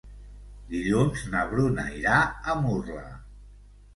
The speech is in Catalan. Dilluns na Bruna irà a Murla.